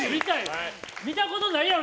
見たことないやろ？